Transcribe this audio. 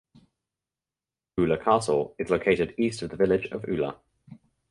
Oola Castle is located east of the village of Oola.